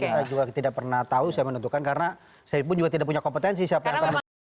kita juga tidak pernah tahu saya menentukan karena saya pun juga tidak punya kompetensi siapa yang akan menentukan